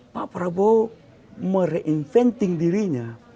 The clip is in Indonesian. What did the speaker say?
pak prabowo mencari penyelidikan dirinya